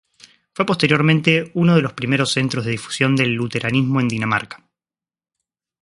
Fue posteriormente uno de los primeros centros de difusión del luteranismo en Dinamarca.